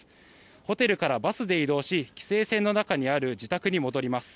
ホテルからバスで移動し規制線の中にある自宅に戻ります。